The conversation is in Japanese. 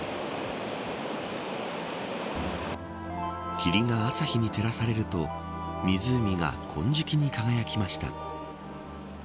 霧が朝日に照らされると湖が金色に輝きました。